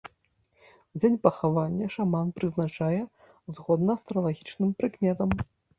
Дзень пахавання шаман прызначае згодна астралагічным прыкметам.